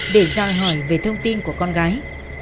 để giao hỏi về thông tin của con gái